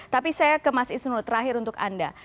tapi saya ke mas isnur terakhir untuk anda